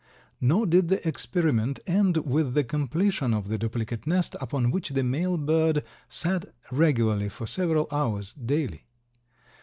Nor did the experiment end with the completion of the duplicate nest upon which the male bird sat regularly for several hours daily.